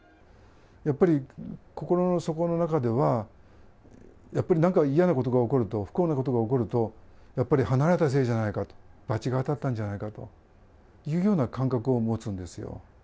やっぱり心の底の中では、やっぱりなんか嫌なことが起こると、不幸なことが起こると、やっぱり離れたせいじゃないか、罰が当たったんじゃないかという感覚を持つんですよ。